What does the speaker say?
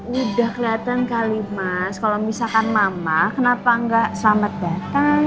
udah kelihatan kali mas kalau misalkan mama kenapa gak selamat datang